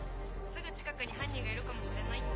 すぐ近くに犯人がいるかもしれないって。